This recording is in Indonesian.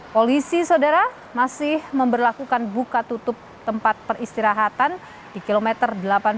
polisi saudara masih memperlakukan buka tutup tempat peristirahatan di kilometer delapan puluh